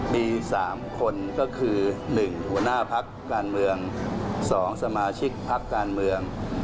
มี๓คนก็คือ๑หัวหน้าพักการเมือง๒สมาชิกพักการเมือง